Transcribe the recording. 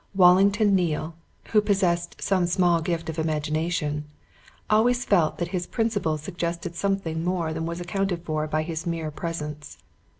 Wallington Neale, who possessed some small gift of imagination, always felt that his principal suggested something more than was accounted for by his mere presence.